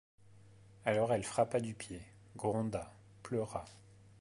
Alors elle frappa du pied, gronda, pleura